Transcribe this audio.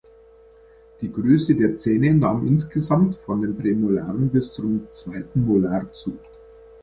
Die Größe der Zähne nahm insgesamt von den Prämolaren bis zum zweiten Molar zu.